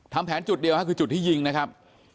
แผนจุดเดียวคือจุดที่ยิงนะครับ